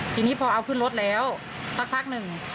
ทีนี้พอเอาขึ้นรถแล้วสักพักหนึ่ง